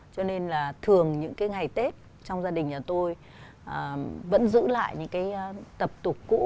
cho nên là thường những cái ngày tết trong gia đình nhà tôi vẫn giữ lại những cái tập tục cũ